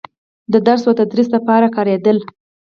د درس و تدريس دپاره کارېدلې